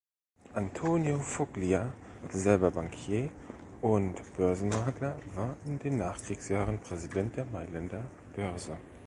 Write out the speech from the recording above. Antonio Foglia, selber Bankier und Börsenmakler, war in den Nachkriegsjahren Präsident der Mailänder Börse.